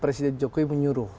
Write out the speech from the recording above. presiden jokowi menyuruh